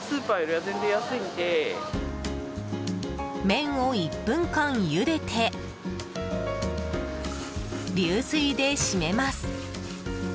麺を１分間ゆでて流水で締めます。